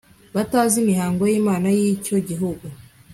batazi imihango y Imana y icyo gihugu